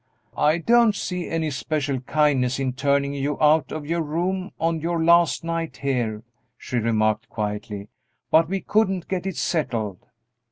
"I don't see any special kindness in turning you out of your room on your last night here," she remarked, quietly, "but we couldn't get it settled."